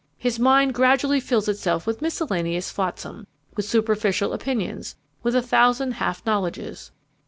His mind gradually fills itself with miscellaneous flotsam, with superficial opinions, with a thousand half knowledges.